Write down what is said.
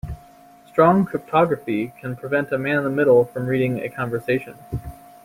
Strong cryptography can prevent a man in the middle from reading a conversation.